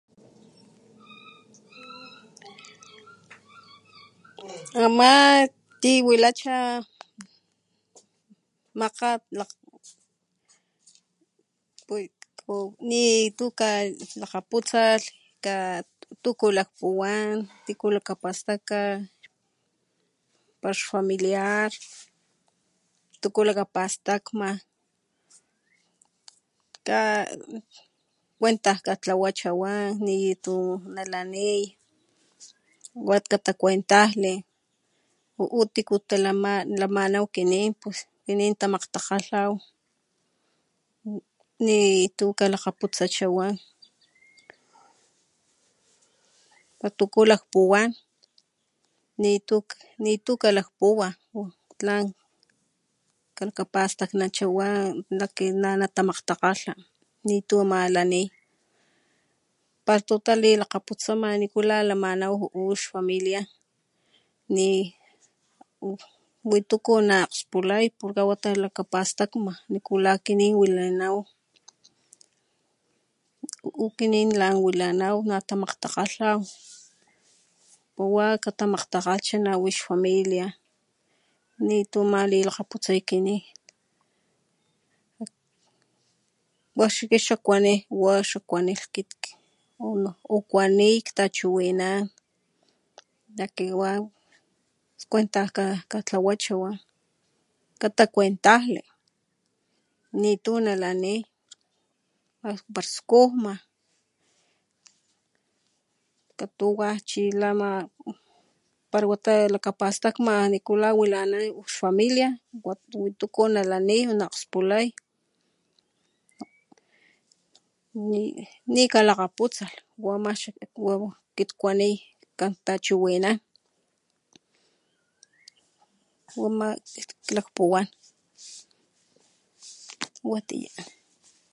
Ama ti wilacha makgat lakg nitu kalakgaputsalh ka tuku lakpuwan tiku lakapastaka pala xfamiliar tuku lakapastakma ka kuentajkatlawacha wa nitu nalaniy wa katakuentajli ju'u tiku lamanaw kinin tamakgtakgalhaw nitu kakakgaputsacha wa tuku lakpuwan nitu nitukalakpuwa tlan kalakapastaknancha wa na ki natamakgtakgalha nitu ama lani pala tu talilakgaputsama nikula lamanaw ju'u ix familia ni wituku na akgsaspulay porque wata lakapastakma nikula kinin wilanaw ju'u kinin lan wilanaw natamakgtakgalhaw wa katamakgtakgalhcha nawi xfamilia nitu ma lilakgaputsay kinin wa kit xakuani xa kuanilh kit o kuaniy ktachiwinan cuentaj katlawacha wa katakuentajli nitu nalani a pala skujma katuwa chi lama pala wata lakapastakma nikula wilanaw xfamilia wi tuku na lani na akgspulay ni kalakgaputsalh wama xa kit kuaniy kan tachiwinan uma klakpuwan watiya.